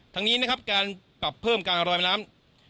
ทั้งนี้นะครับการปรับเพิ่มการลอยน้ำ